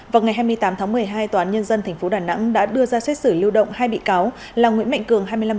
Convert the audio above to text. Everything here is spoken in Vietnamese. vào ngày hai mươi tám tháng một mươi hai toán nhân dân tp đà nẵng đã đưa ra xét xử lưu động hai bị cáo là nguyễn mạnh cường